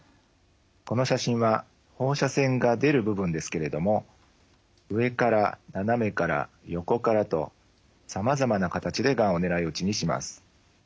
この写真は放射線が出る部分ですけれどもとさまざまな形でがんを狙い撃ちにします。